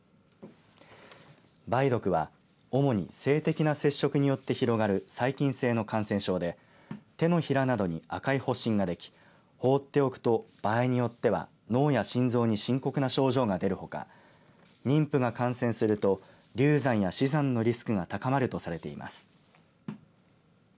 梅毒は主に性的な接触によって広がる細菌性の感染症で手のひらなどに赤い発疹ができ放っておくと場合によっては脳や心臓に深刻な症状が出るほか妊婦が感染すると流産や死産のリスクが高まるとされています。